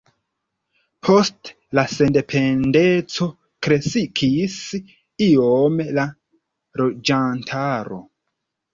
Post la sendependeco kreskis iom la loĝantaro.